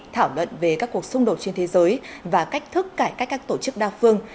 thảo luận về các cuộc xung đột trên thế giới và cách thức cải cách các tổ chức đa phương